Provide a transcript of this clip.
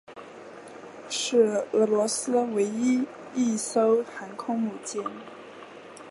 是俄罗斯唯一一艘航空母舰。